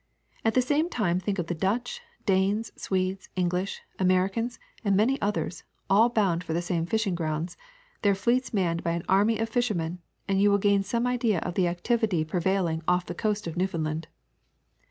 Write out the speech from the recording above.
At the same time think of the Dutch, Danes, Swedes, English, Americans, and many others, all bound for the same fishing grounds, their fleets manned by an army of fishermen, and you will gain some idea of the activity prevailing off the coast of Newfoundland.